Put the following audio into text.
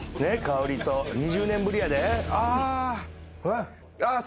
香りと２０年ぶりやでああああ